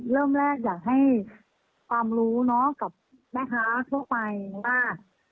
เริ่มแรกอยากให้ความรู้เนาะกับแม่ค้าทั่วไปว่า